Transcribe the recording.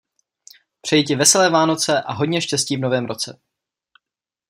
Přeji ti veselé vánoce a hodně štěstí v novém roce.